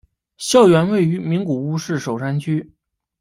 校园位于名古屋市守山区。